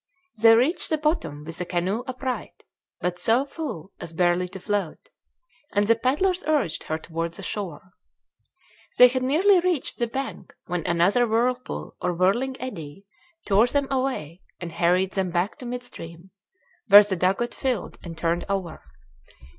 They reached the bottom with the canoe upright, but so full as barely to float, and the paddlers urged her toward the shore. They had nearly reached the bank when another whirlpool or whirling eddy tore them away and hurried them back to midstream, where the dugout filled and turned over.